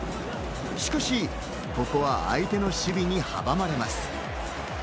しかし、ここは相手の守備に阻まれます。